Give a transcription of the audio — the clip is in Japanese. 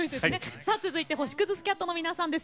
続いては星屑スキャットの皆さんです。